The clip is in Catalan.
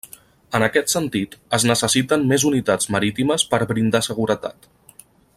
En aquest sentit, es necessiten més unitats marítimes per brindar seguretat.